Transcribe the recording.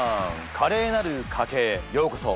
「カレーなる賭け」へようこそ。